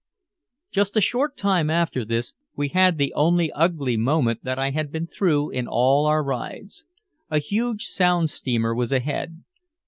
Just a short time after this, we had the only ugly moment that I had been through in all our rides. A huge Sound steamer was ahead.